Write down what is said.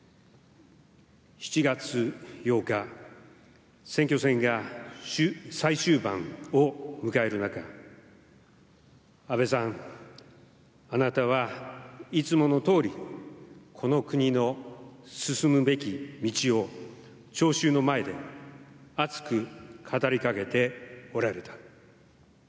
７月８日選挙戦が最終盤を迎える中安倍さん、あなたはいつものとおりこの国の進むべき道を聴衆の前で熱く語りかけておられた。